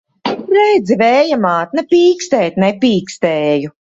Redzi, Vēja māt! Ne pīkstēt nepīkstēju!